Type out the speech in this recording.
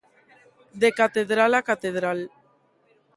De catedral a catedral.